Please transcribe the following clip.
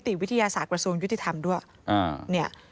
นิติวิทยาศาสตร์กระทรวงยุทธิธรรมด้วย